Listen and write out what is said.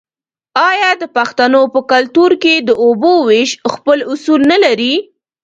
آیا د پښتنو په کلتور کې د اوبو ویش خپل اصول نلري؟